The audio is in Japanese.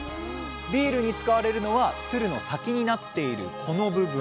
ビールに使われるのはつるの先になっているこの部分。